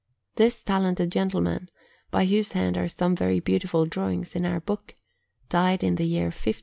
This talented gentleman, by whose hand are some very beautiful drawings in our book, died in the year 1542.